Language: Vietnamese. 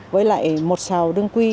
với lại một sào đường quy